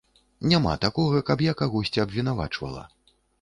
Няма такога, каб я кагосьці абвінавачвала.